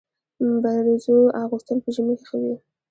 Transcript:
برزو اغوستل په ژمي کي ښه وي.